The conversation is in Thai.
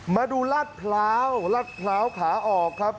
มาดูลาดพร้าวลาดพร้าวขาออกครับ